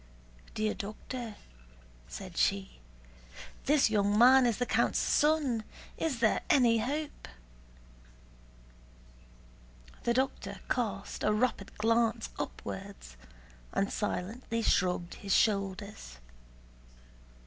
"Dear doctor," said she, "this young man is the count's son. Is there any hope?" The doctor cast a rapid glance upwards and silently shrugged his shoulders.